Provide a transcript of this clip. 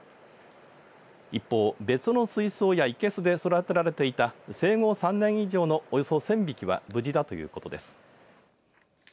一方、別の水槽やいけすで育てられていた生後３年以上のおよそ１０００匹は無事だということです。